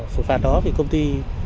sử phạt đó thì công ty